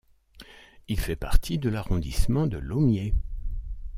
Il fait partie de l'arrondissement de Lomié.